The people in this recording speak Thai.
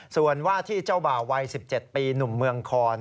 ส่วนว่าที่เจ้าบ่าววัย๑๗ปีหนุ่มเมืองคอน